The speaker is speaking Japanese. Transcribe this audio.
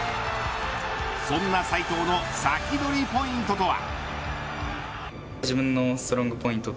そんな斉藤のサキドリポイントとは。